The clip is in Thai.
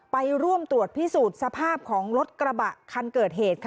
ไปร่วมตรวจพิสูจน์สภาพของรถกระบะคันเกิดเหตุ